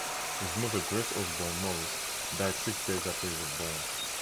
His mother, Grace Osborn Morris, died six days after he was born.